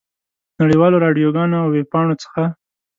نړۍ والو راډیوګانو او ویبپاڼو څخه.